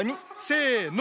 せの。